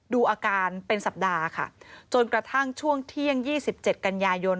ดูอาการเป็นสัปดาห์ค่ะจนกระทั่งช่วงเที่ยง๒๗กันยายน